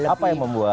apa yang membuat